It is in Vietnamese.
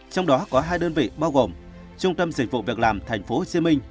trong đó có hai đơn vị bao gồm trung tâm dịch vụ việc làm tp hcm